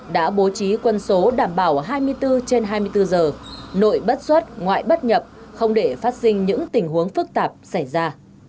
đã bố trí quân số đảm bảo hai mươi bốn trên hai mươi bốn giờ nội bất xuất ngoại bất nhập không để phát sinh những tình huống phức tạp xảy ra